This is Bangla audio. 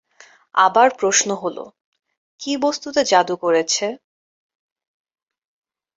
আবার প্রশ্ন হলঃ কি বস্তুতে জাদু করেছে?